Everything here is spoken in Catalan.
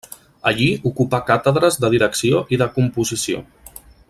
Allí ocupà càtedres de direcció i de composició.